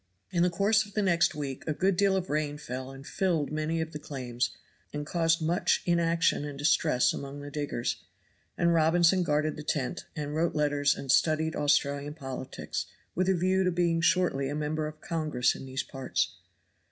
In the course of the next week a good deal of rain fell and filled many of the claims, and caused much inaction and distress among the diggers, and Robinson guarded the tent, and wrote letters and studied Australian politics, with a view to being shortly a member of Congress in these parts.